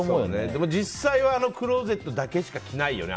でも実際はクローゼットのだけしか着ないよね。